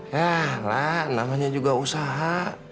ya lah namanya juga usaha